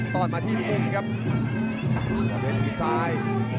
ตอดมาที่ภูมิครับบ่อเพชรปิดซ้าย